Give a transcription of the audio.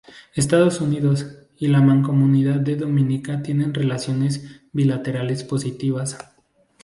Estados Unidos y la Mancomunidad de Dominica tienen relaciones bilaterales positivas.